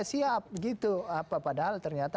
siap gitu apa padahal ternyata